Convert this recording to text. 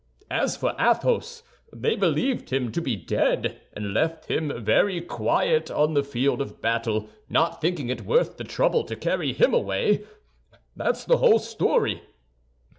As for Athos, they believed him to be dead, and left him very quiet on the field of battle, not thinking it worth the trouble to carry him away. That's the whole story.